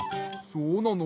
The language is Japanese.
そうなの？